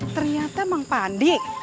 ternyata mang pandi